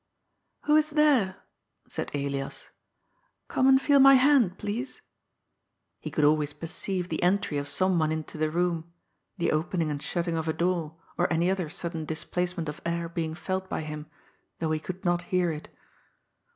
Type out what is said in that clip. ^^ Who is there ?" said Elias. *' Gome and feel my hand, please." He could always perceive the entry of some one into the room — the opening and shutting of a door, or any other sudden displacement of air being felt by him, though he could not hear it.